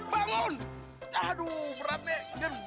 bangun aduh berat nih